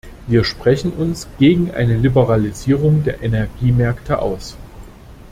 Wir sprechen uns gegen eine Liberalisierung der Energiemärkte aus.